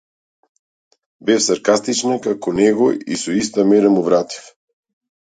Бев саркастична како него и со иста мера му вратив.